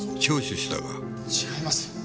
違います。